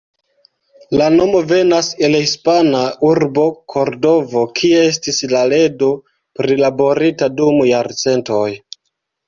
La nomo venas el hispana urbo Kordovo, kie estis la ledo prilaborita dum jarcentoj.